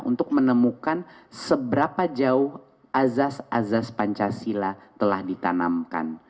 untuk menemukan seberapa jauh azaz azaz pancasila telah ditanamkan